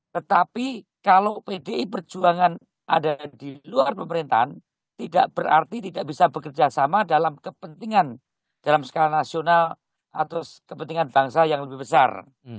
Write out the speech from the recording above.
tetapi kalau pdi perjuangan ada di luar pemerintahan tidak berarti tidak bisa bekerjasama dalam kepentingan dalam skala nasional atau kepentingan bangsa yang lebih besar